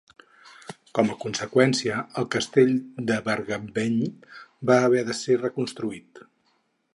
Com a conseqüència, el castell d'Abergavenny va haver de ser reconstruït.